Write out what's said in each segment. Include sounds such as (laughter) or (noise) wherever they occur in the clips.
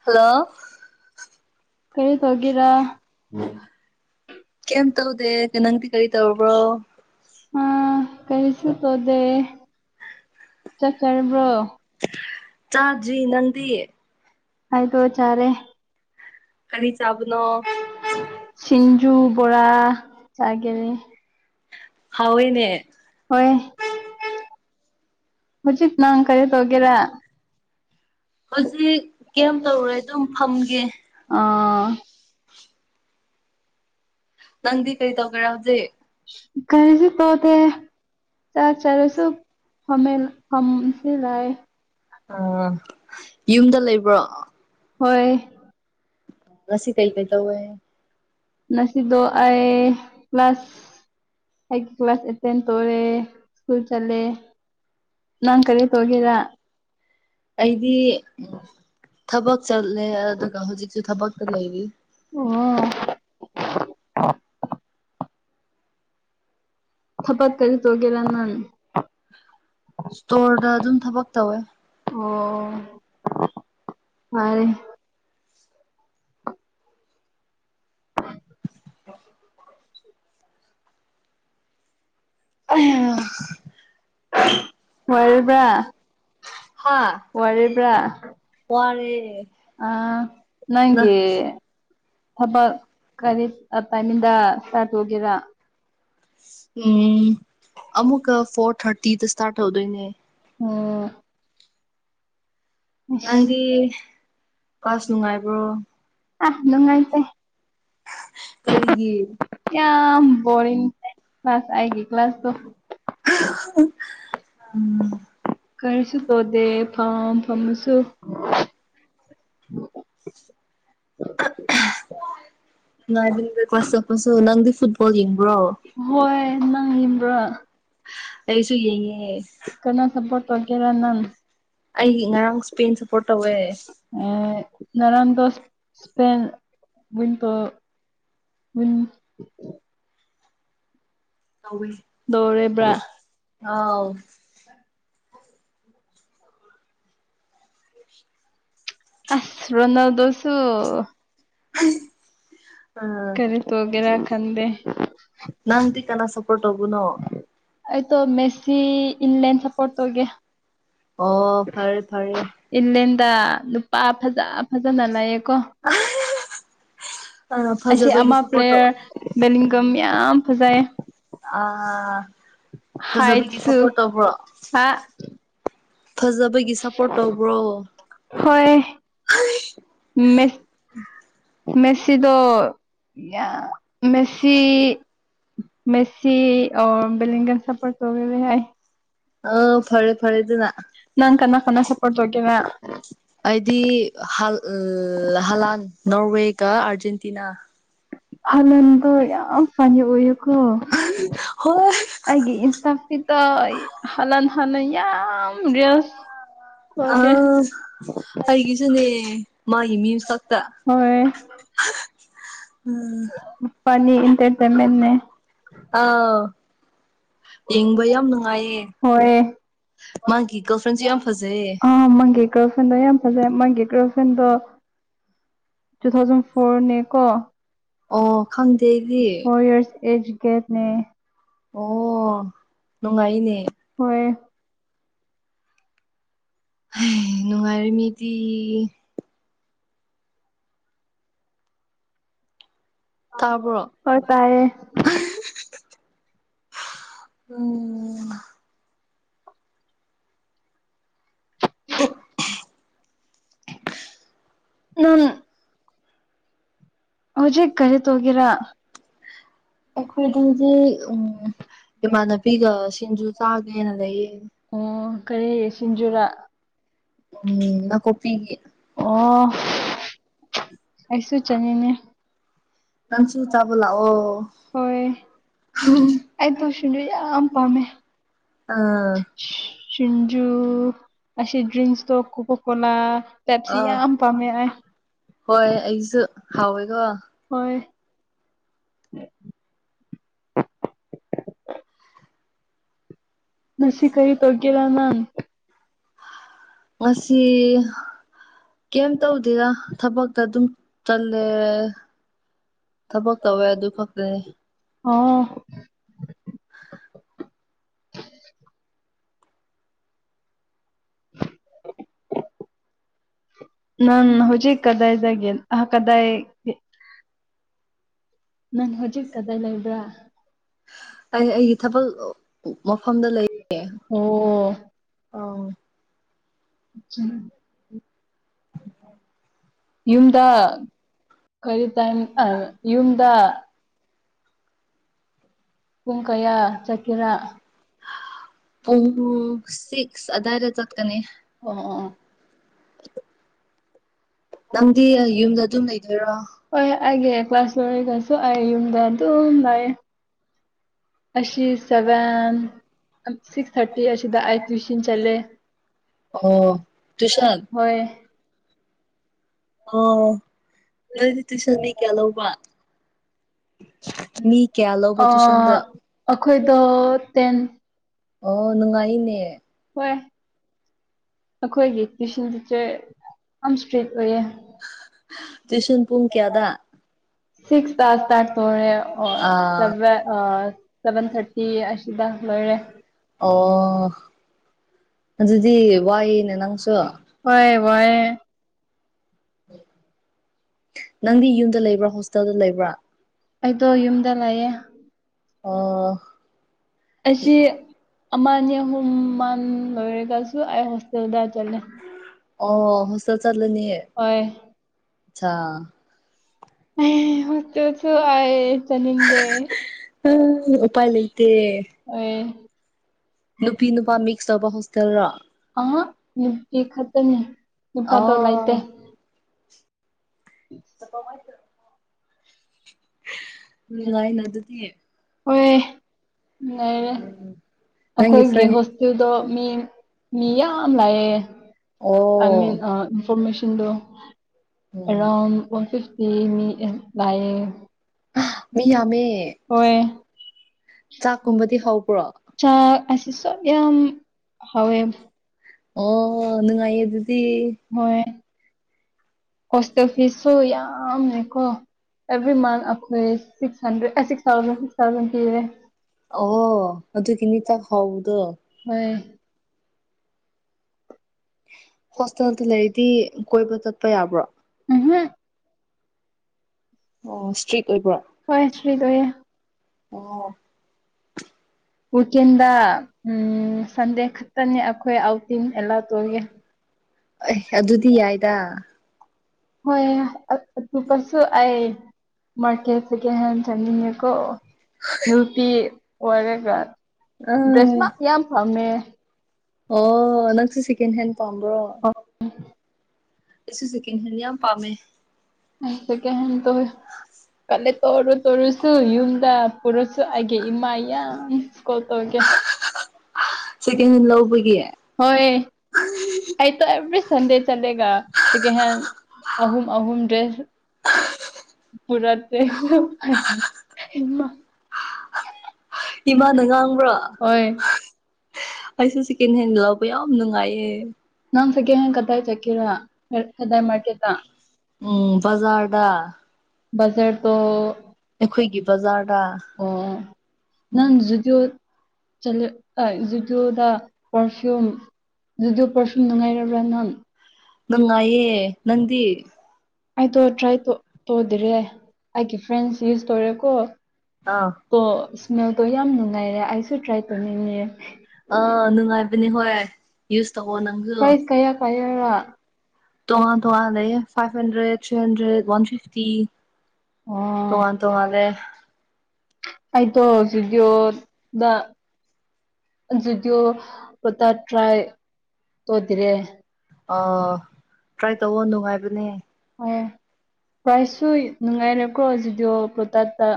hello ꯀꯔꯤ ꯇꯧꯒꯦꯔꯥ ꯀꯦꯝ ꯇꯧꯗꯦ ꯅꯪꯗꯤ ꯀꯔꯤ ꯇꯧꯕ꯭ꯔꯣ ꯑꯥ ꯀꯔꯤꯁꯨ ꯇꯧꯗꯦ ꯆꯥꯛ ꯆꯔꯕꯣ ꯆꯥꯗ꯭ꯔꯤ ꯅꯪꯗꯤ ꯑꯩꯗꯣ ꯆꯔꯦ ꯀꯔꯤ ꯇꯧ ꯁꯤꯟꯖꯨ ꯕꯣꯔꯥ ꯆꯒꯦꯔꯦ ꯍꯥꯎꯋꯤꯅꯦ ꯍꯥꯎꯋꯦꯅꯦ ꯍꯣꯏ ꯍꯧꯖꯤꯛ ꯅꯪ ꯀꯔꯤ ꯇꯧꯒꯦꯔ ꯍꯧꯖꯤꯛ ꯀꯦꯝ ꯀꯩꯝ ꯇꯧꯔꯣꯏ ꯇꯧꯔꯣꯢ ꯑꯗꯨꯝ ꯗꯨꯝ ꯐꯝꯒꯦ ꯑꯣ ꯅꯪꯗꯤ ꯀꯔꯤ ꯇꯧꯒꯦꯔꯥ ꯍꯧꯖꯤꯛ (unintelligible) ꯀꯔꯤꯁꯨ ꯇꯧꯗꯦ ꯆꯥꯛ ꯆꯥꯔꯁꯨ ꯐꯝꯃꯦꯜ ꯐꯝꯁꯦ ꯂꯥꯏ ꯑ ꯌꯨꯝꯗ ꯂꯩꯕ꯭ꯔꯣ ꯍꯣꯏ ꯉꯁꯤ ꯀꯩ ꯀꯩ ꯇꯧꯋꯦ ꯉꯁꯤꯗꯣ ꯑꯩ ꯀ꯭ꯂꯥꯁ ꯑꯩ ꯀ꯭ꯂꯥꯁ ꯑꯦꯠꯇꯦꯟ ꯇꯧꯔꯦ ꯁ꯭ꯀꯨꯜ ꯆꯠꯂꯦ ꯅꯪ ꯀꯔꯤ ꯇꯧꯒꯦꯔ ꯑꯩꯗꯤ ꯊꯕꯛ ꯆꯠꯂꯦ ꯑꯗꯨꯒ ꯍꯧꯖꯤꯛꯁꯨ ꯊꯕꯛ ꯇ ꯂꯩꯔꯤ ꯑꯣ ꯊꯕꯛ ꯀꯩꯔꯤ ꯇꯧꯒꯦꯔ ꯅꯪ ꯏꯁꯇꯣꯔꯗ ꯑꯗꯨꯝ ꯊꯕꯛ ꯇꯧꯋꯦ ꯑꯣ ꯉꯥꯏꯌꯦ ꯑꯣ (unintelligible) ꯑꯩꯌꯥ ꯋꯥꯔꯤꯕ꯭ꯔꯥ ꯍꯥ ꯋꯥꯔꯤꯕ꯭ꯔꯥ ꯋꯥꯌꯦ ꯋꯥꯔꯦ ꯑ ꯅ ꯅꯪꯒꯤ ꯊꯕꯛ ꯀꯔꯤ ꯇꯥꯏꯃꯤꯡꯗ ꯏꯁꯇꯥꯔꯠ ꯇꯧꯒꯦꯔꯥ ꯎꯝ ꯑꯃꯨꯛꯀꯥ ꯐꯣꯔ ꯊꯥꯔꯇꯤꯗ ꯏꯁꯇꯥꯔꯠ ꯇꯧꯗꯣꯏꯅꯦ ꯑꯣ ꯅꯪꯗꯤ ꯀ꯭ꯂꯥꯁ ꯅꯨꯡꯉꯥꯏꯕ꯭ꯔꯣ ꯑꯥ ꯅꯨꯡꯉꯥꯏꯇꯦ ꯀꯔꯤꯒꯤ ꯌꯥꯝ ꯕꯣꯔꯤꯡ ꯀ꯭ꯂꯥꯁ ꯑꯩꯒꯤ ꯀ꯭ꯂꯥꯁ ꯇꯣ ꯎꯝ ꯀꯔꯤꯁꯨ ꯊꯧꯗꯦ ꯐꯝ ꯐꯝꯃꯁꯨ ꯑꯑꯥ ꯉꯥꯢꯗꯤꯡ ꯀ꯭ꯂꯥꯁ ꯆꯠꯄꯁꯨ ꯅꯪꯗꯤ ꯐꯨꯠꯕꯣꯜ ꯌꯦꯡ ꯍꯣꯏ ꯅꯪꯕ꯭ꯔꯥ ꯐꯩꯁꯨ ꯌꯦꯡꯉꯦ ꯀꯅꯥ ꯁꯞꯄꯣꯔꯠ ꯇꯧꯒꯦꯔ ꯅꯪ ꯑꯩꯒꯤ ꯉꯔꯥꯡ ꯏꯁꯄꯦꯟ ꯁꯞꯄꯣꯔꯠ ꯇꯧꯋꯦ ꯑꯦ ꯉꯔꯥꯡꯗꯣ ꯏꯁꯄꯦꯟ ꯋꯤꯡꯀꯥ ꯎꯝ ꯇꯧꯋꯦ ꯗꯧꯔꯦꯕ꯭ꯔꯥ ꯑꯥꯎ ꯑꯁ ꯔꯣꯟꯅꯥꯜꯗꯣꯁꯨ ꯑꯥ ꯀꯔꯤ ꯇꯧꯒꯦꯔ ꯈꯪꯗꯦ ꯅꯪꯗꯤ ꯀꯅꯥ ꯁꯞꯄꯣꯔꯠ ꯇꯧꯕꯅꯣ ꯑꯩ ꯇꯣ ꯃꯦꯁꯤ ꯏꯟꯂꯦꯟ ꯁꯞꯄꯣꯔꯠ ꯇꯧꯒꯦ ꯑꯣ ꯐꯔꯦ ꯐꯔꯦ ꯇ ꯅꯨꯄꯥ ꯐꯖ ꯐꯖꯅ ꯂꯩꯌꯦꯀꯣ ꯑꯥ ꯑꯁꯤ ꯐꯖꯕꯒꯤ ꯑꯃ ꯁꯞꯄꯣꯔꯠ ꯇꯧ ꯄ꯭ꯂꯦꯌꯔ ꯕꯦꯂꯤꯡꯒꯝ ꯌꯥꯝ ꯐꯖꯩꯌꯦ ꯑꯥ ꯐꯖꯕꯒꯤ ꯍꯥꯏꯠꯁꯨ ꯁꯞꯄꯣꯔꯠ ꯇꯧꯕ꯭ꯔꯣ ꯍꯥ ꯐꯖꯕꯒꯤ ꯁꯞꯄꯣꯔꯠ ꯇꯧꯕ꯭ꯔꯣ ꯎꯝ ꯃꯦꯁ ꯃꯦꯁꯤꯗꯣ ꯌꯥꯝ ꯃꯦꯁꯤ ꯃꯦꯁꯤ ꯑꯣꯔ ꯕꯂꯤꯡꯒꯟ ꯁꯄꯣꯔꯠ ꯇꯧꯋꯦꯕ ꯑꯩ ꯑꯣ ꯐꯔꯦ ꯐꯔꯦ ꯑꯗꯨꯅ ꯅꯪ ꯀꯅꯥ (unintelligible) ꯑꯩꯗꯤ ꯍꯜ ꯍꯂꯥꯟ ꯅꯣꯔꯋꯦ ꯒꯥ ꯑꯥꯔꯖꯦꯟ ꯑꯔꯖꯦꯟꯇꯤꯅꯥ ꯍꯂꯥꯟꯗꯣ ꯌꯥꯝ ꯐꯅꯤ ꯑꯣꯏꯌꯦ ꯀꯣ ꯍꯣꯏ ꯑꯩꯒꯤ ꯏꯟꯇꯥꯄꯤꯠꯇꯣ ꯍꯂꯥꯟ ꯍꯥꯟꯅ ꯌꯥꯝ ꯔꯤꯜꯁ ꯇꯧꯒꯦ ꯑꯩꯒꯤꯁꯨꯅꯦ ꯃꯥꯒꯤ ꯍꯣꯏ (unintelligible) ꯎꯝ ꯐꯅꯤ ꯏꯟꯇꯔꯇꯦꯟꯃꯦꯟꯅꯦ ꯑꯥ ꯌꯦꯡꯕ ꯌꯥꯝ ꯅꯨꯡꯉꯥꯏꯌꯦ ꯍꯣꯏ ꯃꯥꯒꯤ ꯒꯔꯜ ꯐ꯭ꯔꯦꯟꯁꯨ ꯌꯥꯝ ꯐꯖꯩꯌꯦ ꯒ꯭ꯔꯜꯐꯦꯟꯗꯣ ꯌꯥꯝ ꯐꯖꯩ ꯃꯥꯒꯤ ꯒ꯭ꯔꯜꯐꯦꯟꯗꯣ ꯇꯨ ꯊꯥꯎꯖꯟ ꯐꯣꯔꯅꯦ ꯀꯣ ꯑꯣ ꯈꯪꯗꯦ ꯑꯩꯗꯤ ꯑꯦꯖꯨꯒꯦꯗꯅꯦ ꯑꯣ ꯅꯨꯡꯉꯥꯏꯅꯦ ꯍꯣꯏ ꯅꯨꯡꯉꯥꯏꯔꯦꯃꯤꯗꯤ ꯇꯥꯕ꯭ꯔꯣ ꯍꯣꯏ ꯇꯥꯏꯑꯦ ꯎꯝ ꯎꯪ (unintelligible) ꯍꯧꯖꯤꯛ ꯀꯔꯤ ꯇꯧꯒꯦꯔ ꯑꯦꯈꯣꯏꯗꯗꯤ ꯎꯝ ꯏꯃꯥꯟꯅꯕꯤꯒ ꯁꯤꯡꯖꯨ ꯆꯥꯒꯦꯅ ꯂꯩꯌꯦ ꯑꯣ ꯀꯔꯤ ꯁꯤꯡꯖꯨꯔꯥ ꯎꯝ ꯅꯥꯀꯨꯞꯄꯤꯒꯤ ꯑꯣ ꯑꯩꯁꯨ ꯆꯥꯅꯤꯡꯉꯦ ꯅꯪꯁꯨ ꯆꯥꯕ ꯂꯥꯛꯑꯣ ꯍꯣꯏ ꯑꯩ ꯇꯣ ꯁꯤꯡꯖꯨ ꯌꯥꯝ ꯄꯥꯝꯃꯦ ꯑꯥ ꯁꯤꯟꯖꯨ ꯑꯁꯤ ꯗ꯭ꯔꯤꯡꯛꯁ ꯇꯣ ꯀꯣꯀꯥ ꯀꯣꯂꯥ ꯄꯦꯞꯁꯤ ꯑꯥ ꯌꯥꯝ ꯄꯥꯝꯃꯦ ꯑꯩ ꯍꯣꯏ ꯑꯩꯁꯨ ꯍꯥꯎꯋꯦꯀꯣ ꯍꯣꯏ (unintelligible) ꯉꯁꯤ ꯀꯔꯤ ꯇꯧꯒꯦꯔꯥ ꯅꯪ ꯉꯁꯤ ꯀꯩꯝ ꯇꯧꯗꯦꯗ ꯊꯕꯛꯇ ꯑꯗꯨꯝ ꯆꯠꯂꯦ ꯊꯕꯛ ꯇꯧꯋꯦ ꯑꯗꯨ ꯈꯛꯇꯅꯦ ꯑꯣꯥ (unintelligible) ꯅꯪ ꯍꯧꯖꯤꯛ ꯀꯗꯥꯏꯗꯒꯦ ꯑꯍ ꯀꯗꯥꯏ ꯅꯪ ꯍꯧꯖꯤꯛ ꯀꯗꯥꯏ ꯂꯩꯕ꯭ꯔꯥ ꯑꯩ ꯑꯩꯒꯤ ꯊꯕꯛ ꯃꯐꯝꯗ ꯂꯩ ꯑꯣ ꯑꯥ ꯑ (inaudible) ꯌꯨꯝꯗ ꯈꯔꯤ ꯇꯥꯏ ꯌꯨꯝꯗ ꯄꯨꯡ ꯀꯌꯥ ꯆꯠꯀꯦꯔ ꯄꯨꯡ ꯁꯤꯛꯁ ꯑꯗꯥꯏꯗ ꯆꯠꯀꯅꯤ ꯑꯣ ꯑꯣ ꯑꯣ ꯅꯪꯗꯤ ꯑꯣ ꯌꯨꯝꯗ ꯑꯗꯨꯝ ꯂꯩꯗꯣꯏꯔꯣ ꯍꯣꯏ ꯑꯩꯒꯤ ꯀ꯭ꯂꯥꯁ ꯂꯣꯢꯔꯒꯁꯨ ꯑꯩ ꯌꯨꯝꯗ ꯑꯗꯨꯝ ꯂꯩ ꯑꯁꯤ ꯁꯕꯦꯟ ꯁꯤꯛꯁ ꯊꯔꯇꯤ ꯑꯁꯤꯗ ꯑꯩ ꯇꯨꯢꯁꯟ ꯆꯠꯂꯦ ꯑꯣ ꯇꯨꯏꯁꯟ ꯍꯣꯏ ꯑꯣ ꯅꯣꯢꯗꯤ ꯇꯨꯢꯁꯟ ꯃꯤ ꯀꯌꯥ ꯂꯧꯕ ꯃꯤ ꯀꯌꯥ ꯂꯧꯕ ꯑꯣ ꯇꯨꯏꯁꯟꯗꯣ ꯑꯩꯈꯣꯏꯗꯣ ꯇꯦꯟ ꯑꯣ ꯅꯨꯡꯉꯥꯏꯅꯦ ꯍꯣꯏ ꯑꯩꯈꯣꯏꯒꯤ ꯇ꯭ꯋꯨꯁꯟ ꯇꯤꯆꯔ ꯑꯁ ꯇꯨꯏꯁꯟ ꯄꯨꯡ ꯀꯌꯥꯗ ꯁꯤꯛꯁꯇ ꯏꯁꯇꯥꯔꯠ ꯇꯩꯔ ꯊꯣꯛꯔꯦ ꯑꯥ ꯁꯕꯦꯟ ꯑꯣ ꯁꯕꯦꯟ ꯊꯥꯔꯇꯤ ꯁꯤꯗ ꯂꯣꯏꯔꯦ ꯑꯣ ꯑꯗꯨꯗꯤ ꯋꯥꯏꯅꯦ ꯅꯪꯁꯨ ꯋꯥꯢꯌꯦ ꯅꯪꯗꯤ ꯌꯨꯝꯗ ꯂꯩꯕ꯭ꯔꯥ ꯍꯣꯁꯇꯦꯜꯗ ꯂꯩꯕ꯭ꯔꯥ ꯑꯩꯗꯣ ꯌꯨꯝꯗ ꯂꯩꯌꯦ ꯑꯣ ꯑꯁꯤ ꯑꯃ ꯑꯅꯤ ꯑꯍꯨꯝ ꯃꯜ ꯂꯣꯏꯔꯒꯁꯨ ꯑꯩ ꯍꯣꯁꯇꯦꯜꯗ ꯆꯠꯂꯦ ꯑꯣ ꯍꯣꯁꯇꯦꯜ ꯆꯜꯅꯤꯅꯦ ꯍꯣꯏ ꯑꯁꯥ ꯑꯦ ꯍꯣꯁꯇꯦꯜꯁꯨ ꯍꯥꯏ ꯆꯠꯅꯤꯡꯗꯦ ꯎꯏ ꯎꯄꯥꯢ ꯂꯩꯇꯦ ꯍꯣꯏ ꯅꯨꯄꯤ ꯅꯨꯄꯥ ꯃꯤꯛꯁ ꯇꯧꯕ ꯍꯣꯁꯇꯦꯜꯔꯣ ꯑꯍ ꯅꯨꯄꯤ ꯈꯛꯇꯅꯤ ꯅꯨꯄꯥꯗꯣ ꯂꯩꯥꯇꯦ ꯑꯣ (unintelligible) ꯅꯨꯡꯉꯥꯏꯅ ꯑꯗꯨꯗꯤ ꯍꯣꯏ ꯂꯩꯔꯦ ꯅꯪꯒꯤ ꯑꯩꯈꯣꯏꯒꯤ ꯐ꯭ꯔꯦꯟ ꯍꯣꯁꯇꯦꯜꯗꯣ ꯃꯤ ꯃꯤ ꯌꯥꯝ ꯂꯥꯛꯑꯦ ꯑꯥꯏ ꯃꯤꯟ ꯑꯣ ꯑ ꯃꯦꯁꯤꯟꯗꯣ ꯎꯝ ꯑꯦꯔꯥꯎꯟ ꯋꯥꯟ ꯐꯤꯐꯇꯤ ꯃꯤ ꯂꯥꯛꯑꯦ ꯃꯤ ꯌꯥꯝꯃꯦ ꯍꯣꯏ ꯆꯥꯛꯀꯨꯝꯕꯗꯤ ꯍꯧꯕ꯭ꯔꯣ ꯆꯥꯛ ꯌꯥꯝ ꯍꯥꯎꯋꯦ ꯑꯣ ꯅꯨꯡꯉꯥꯏꯌꯦ ꯑꯗꯨꯗꯤ ꯍꯣꯏ ꯍꯣꯁꯇꯦꯜ ꯐꯤꯁꯁꯨ ꯌꯥꯝꯃꯦꯀꯣ ꯑꯦꯕ꯭ꯔꯤ ꯃꯟ ꯑꯈꯣꯏ ꯁꯤꯛꯁ ꯍꯟꯗ꯭ꯔꯦ ꯑꯦ ꯁꯤꯛꯁ ꯊꯥꯎꯖꯟ ꯁꯤꯛꯁ ꯊꯥꯎꯖꯟ ꯄꯤꯔꯦ ꯑꯣ ꯑꯗꯨꯒꯤꯅꯤ ꯆꯥꯛ ꯍꯥꯎꯕꯗꯨ ꯍꯣꯢ ꯍꯣꯁꯇꯦꯜꯗ ꯂꯩꯔꯗꯤ ꯀꯣꯏꯕ ꯆꯠꯄ ꯌꯥꯕ꯭ꯔꯣ ꯎꯝꯍꯝ ꯑꯣ ꯏꯁꯇ꯭ꯔꯤꯛ ꯑꯣꯏꯕ꯭ꯔꯣ ꯍꯣꯏ ꯐ꯭ꯔꯤ ꯑꯣꯏꯌꯦ ꯑꯣ ꯋꯤꯀꯦꯟꯗ ꯎꯝ ꯁꯟꯗꯦ ꯈꯛꯇꯅꯤ ꯑꯩꯈꯣꯏ ꯑꯥꯎꯇꯤꯡ ꯑꯦꯂꯥꯎꯠ ꯑꯣꯢꯌꯦ ꯑꯩ ꯑꯗꯨꯗꯤ ꯌꯥꯏꯗ ꯍꯣꯏ ꯑꯗꯨꯀꯁꯨ ꯑꯩ ꯃꯥꯔꯀꯦꯠ ꯁꯦꯀꯦꯟ ꯍꯦꯟ ꯆꯠꯅꯤꯡꯉꯦꯀꯣ ꯅꯨꯄꯤ ꯑꯣꯏꯔꯒ ꯗ꯭ꯔꯦꯁ ꯑꯥ ꯃꯛ ꯌꯥꯝ ꯐꯝꯃꯦ ꯑꯣ ꯅꯪꯁꯨ ꯁꯦꯀꯦꯟ ꯍꯦꯟ ꯄꯥꯝꯕ꯭ꯔꯣ ꯑꯩꯁꯨ ꯁꯦꯀꯦꯟ ꯍꯦꯟ ꯌꯥꯝ ꯄꯥꯝꯃꯦ ꯑꯩ ꯁꯦꯀꯦꯟ ꯍꯦꯟ ꯇꯧꯋꯦ ꯀꯜꯂꯦ ꯇꯧꯔꯣ ꯇꯧꯔꯨꯁꯨ ꯌꯨꯝꯗ ꯄꯨꯔꯁꯨ ꯑꯩꯒꯤ ꯏꯃꯥ ꯌꯥꯝ ꯀꯣꯜ ꯇꯕꯒꯦ ꯁꯦꯀꯦꯟ ꯍꯦꯟ ꯂꯧꯕꯒꯤ ꯍꯣꯏ ꯑꯩꯗꯣ ꯑꯦꯕꯔꯤ ꯁꯟꯗꯦ ꯆꯠꯂꯦꯒ ꯁꯦꯀꯦꯟ ꯍꯦꯟꯗ ꯑꯍꯨꯝ ꯑꯍꯨꯝ ꯗ꯭ꯔꯦꯁ ꯄꯨꯔꯥ ꯇꯃ (unintelligible) ꯏꯃꯥꯅ ꯉꯥꯡꯕ꯭ꯔꯥ ꯍꯣꯏ ꯑꯩꯁꯨ ꯁꯦꯀꯦꯟ ꯍꯦꯟꯗ ꯂꯧꯕ ꯌꯥꯝ ꯅꯨꯡꯉꯥꯏꯌꯦ ꯅꯪ ꯁꯦꯀꯦꯟ ꯍꯦꯅꯗ ꯀꯠꯇꯥꯏ ꯆꯠꯀꯦꯔ ꯎꯝ ꯕꯖꯥꯔꯗ ꯕꯖꯔ ꯇꯣ ꯑꯩꯈꯣꯏꯒꯤ ꯕꯖꯥꯔꯗ ꯑꯣ ꯎꯝ ꯅꯪ ꯖꯨꯗꯤꯑꯣ ꯆꯠꯂꯦ ꯑꯥ ꯖꯨꯗꯤꯑꯣꯗ ꯄꯔꯐꯤꯌꯨꯝ ꯖꯨꯗꯤꯑꯣ ꯄꯔꯐꯤꯌꯨꯝ ꯅꯨꯡꯉꯥꯏꯔꯕ꯭ꯔꯥ ꯅꯪ ꯅꯨꯡꯉꯥꯏꯌꯦ ꯅꯪꯗꯤ ꯑꯩꯗꯣ ꯇ꯭ꯔꯥꯏ ꯇꯧꯗꯔꯦ ꯑꯩꯒꯤ ꯐ꯭ꯔꯦꯟꯁ ꯌꯨꯁ ꯇꯧꯔꯦꯀꯣ ꯑꯥ ꯑꯣ ꯏꯁꯃꯦꯜꯗꯣ ꯌꯥꯝ ꯅꯨꯡꯉꯥꯏꯔꯦ ꯑꯩꯁꯨ ꯇ꯭ꯔꯥꯏ ꯇꯧꯅꯤꯡꯉꯦ ꯑꯥ ꯅꯨꯡꯉꯥꯏꯕꯅꯤ ꯍꯣꯏ ꯌꯨꯁ ꯇꯧꯑꯣ ꯅꯪꯁꯨ ꯑꯩꯔꯥ ꯇꯣꯉ ꯇꯣꯉ ꯂꯩꯌꯦ five hundred three hundred one fifty ꯑꯣ ꯇꯣꯉꯥꯟ ꯇꯣꯉꯥꯟꯂꯦ ꯑꯩꯇꯣ ꯖꯨꯗꯤꯑꯣ ꯗ ꯖꯨꯗꯤꯑꯣ ꯇꯥ꯭ꯔꯥꯏ ꯇꯗꯔꯤ ꯑꯣ ꯇ꯭ꯔꯥꯏ ꯇꯧꯋꯣ ꯅꯨꯡꯉꯥꯏꯕꯅꯦ ꯍꯣꯏ ꯄ꯭ꯔꯥꯏꯁꯁꯨ ꯅꯨꯡꯉꯥꯏꯔꯦꯀ꯭ꯔꯣ ꯖꯤꯗꯤꯑꯣ ꯄ꯭ꯔꯣꯇꯠꯇ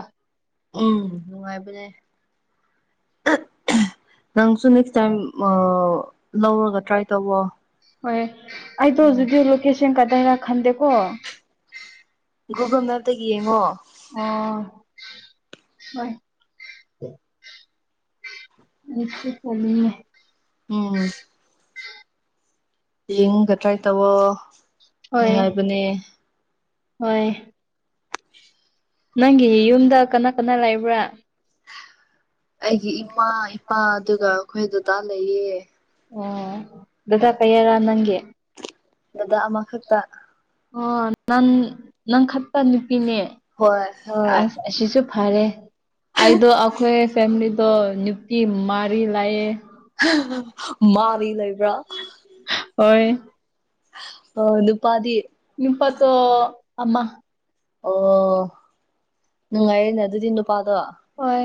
ꯎꯝ ꯅꯨꯡꯉꯥꯏꯕꯅꯦ ꯑꯥ ꯍꯝ ꯅꯪꯁꯨ ꯅꯦꯛꯁ ꯇꯥꯏꯝ ꯃꯥ ꯍꯣꯏ ꯑꯩꯗꯣ ꯎꯝ ꯖꯨꯗꯤꯑꯣ ꯂꯣꯀꯦꯁꯟ ꯗꯩꯔ ꯈꯟꯗꯦꯀꯣ ꯒꯨꯒꯜ ꯃꯦꯞꯇꯒꯤ ꯌꯦꯡꯉꯣ ꯑꯥ ꯍꯣꯏ ꯑꯁꯨ ꯆꯂꯤꯦ (unintelligible) ꯎꯝ ꯌꯦꯡꯒ ꯇ꯭ꯔꯥꯏ ꯇꯧꯑꯣ ꯍꯣꯏ ꯅꯨꯡꯉꯥꯏꯕꯅꯦ ꯍꯣꯏ ꯅꯪꯒꯤ ꯌꯨꯝꯗ ꯀꯅꯥ ꯀꯅꯥ ꯂꯩꯕ꯭ꯔꯥ ꯑꯩꯒꯤ ꯏꯃꯥ ꯏꯄꯥ ꯑꯗꯨꯒ ꯑꯩꯈꯣꯏ ꯗꯗꯥ ꯂꯩꯌꯦ ꯑꯣ ꯗꯥꯗꯥ ꯀꯩꯌꯥꯔ ꯅꯪꯒꯤ ꯗꯗꯥ ꯑꯃꯈꯛꯇ ꯑꯣ ꯅꯪ ꯅꯪ ꯈꯠꯇ ꯅꯨꯄꯤꯅꯦ ꯍꯣꯏ ꯍꯣꯏ ꯁꯨ ꯐꯔꯦ ꯑꯩꯗ ꯑꯩꯈꯣꯏ ꯐꯦꯃꯤꯂꯤꯗ ꯅꯨꯄꯤ ꯃꯔꯤ ꯂꯩꯌꯦ ꯃꯔꯤ ꯂꯩꯕ꯭ꯔꯥ ꯍꯣꯏ ꯑ (inaudible) ꯅꯨꯄꯥꯠꯇꯣ ꯑꯃ ꯑꯣ ꯅꯨꯡꯉꯥꯏꯌꯦꯅꯦ ꯑꯗꯨꯗꯤ ꯅꯨꯄꯥꯗꯣ ꯍꯣꯏ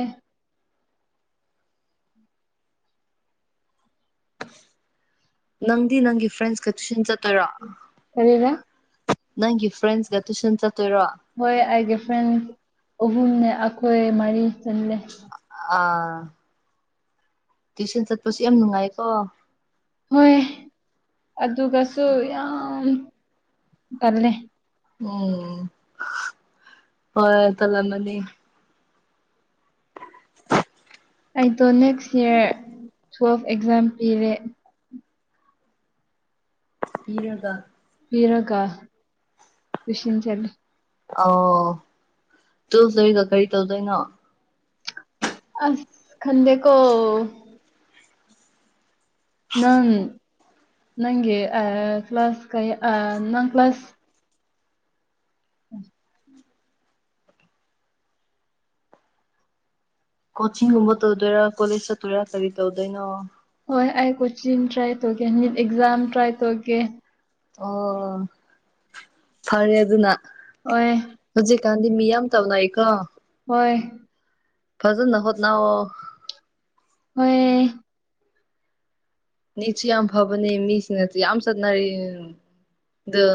ꯅꯪꯗꯤ ꯅꯪꯒꯤ ꯐ꯭ꯔꯦꯁ ꯀ ꯇꯨꯁꯟ ꯆꯠ ꯀꯔꯤꯔ ꯅꯪꯒꯤ ꯐ꯭ꯔꯦꯟꯁꯒ ꯇꯨꯏꯁꯟ ꯆꯠ ꯍꯣꯏ ꯑꯩꯥꯏꯒꯤ ꯐ꯭ꯔꯦꯟ ꯑꯍꯨꯝꯅꯦ ꯑꯩꯈꯣꯏ ꯃꯔꯤ ꯆꯠꯂꯦ ꯑꯥ ꯇ꯭ꯋꯨꯁꯟ ꯆꯠꯄꯁꯨ ꯌꯥꯝ ꯅꯨꯡꯉꯥꯏꯀꯣ ꯍꯣꯏ ꯑꯗꯨꯒꯁꯨ ꯌꯥꯝ ꯇꯜꯂꯦ ꯎꯝ ꯍꯣꯏ ꯇꯜꯂꯝꯃꯅꯤ (inaudible) ꯑꯩꯗꯣ ꯅꯦꯛꯁ ꯏꯌꯥꯔ ꯇꯋꯦꯜꯐ ꯑꯦꯛꯖꯥꯝ ꯄꯤꯔꯦ ꯀꯤꯔꯒ ꯄꯤꯔꯀ ꯁꯤꯟ ꯆꯂ ꯑꯣ ꯇꯨꯌꯦꯜꯚ ꯂꯣꯏꯔꯒ ꯀꯔꯤ ꯇꯧꯗꯣꯏꯅꯣ ꯑꯁ ꯈꯪꯗꯦꯀꯣ ꯅꯪ ꯅꯪꯒꯤ ꯑꯥ ꯀ꯭ꯂꯥꯁ ꯀ ꯑ ꯅꯪ ꯀ꯭ꯂꯥꯁ ꯎꯝ ꯀꯣꯆꯤꯡꯒꯨꯝꯕ ꯇꯧꯗꯣꯏꯔꯥ ꯀꯣꯂꯦꯖ ꯆꯠꯇꯣꯏꯔꯥ ꯀꯔꯤ ꯇꯧꯗꯣꯏꯅꯣ ꯍꯣꯏ ꯑꯩ ꯀꯣꯆꯤꯡ ꯇ꯭ꯔꯥꯏ ꯇꯧꯒꯦ ꯅꯤꯗ ꯑꯦꯛꯖꯥꯝ ꯇ꯭ꯔꯥꯏ ꯇꯧꯒꯦ ꯑꯣ ꯐꯔꯦ ꯑꯗꯨꯅ ꯍꯣꯏ ꯍꯧꯖꯤꯛꯀꯥꯟꯗꯤ ꯃꯤꯌꯥꯝ ꯇꯅꯥꯏ ꯀꯣ ꯍꯣꯏ ꯐꯖꯅ ꯍꯣꯠꯅꯧꯑꯣ ꯍꯣꯏ ꯅꯤꯠꯁꯤ ꯌꯥꯝ ꯐꯕꯅꯦ ꯃꯤꯁꯤꯡꯅꯁꯨ ꯌꯥꯝ ꯆꯠꯅꯔꯤ ꯗꯣ